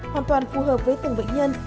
hoàn toàn phù hợp với từng bệnh nhân